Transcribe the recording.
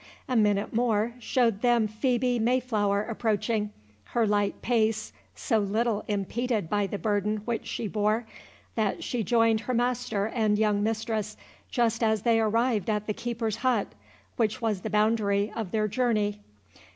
A minute more showed them Phœbe Mayflower approaching, her light pace so little impeded by the burden which she bore, that she joined her master and young mistress just as they arrived at the keeper's hut, which was the boundary of their journey.